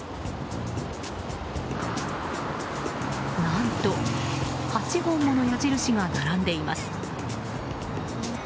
何と８本もの矢印が並んでいます。